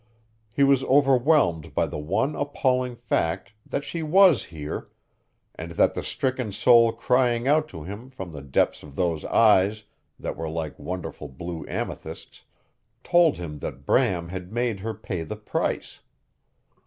He was overwhelmed by the one appalling fact that she WAS here, and that the stricken soul crying out to him from the depths of those eyes that were like wonderful blue amethysts told him that Bram had made her pay the price.